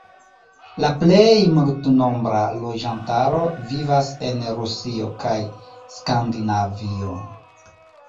La plej multnombra loĝantaro vivas en Rusio kaj Skandinavio.